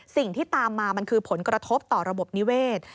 สิ่งที่ตามมามันคือผลกระทบต่อระบบนิเวศ